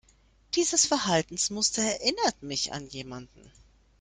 Dieses Verhaltensmuster erinnert mich an jemanden.